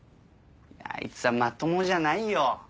あいつはまともじゃないよ。